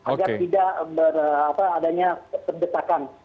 agar tidak adanya terdetakan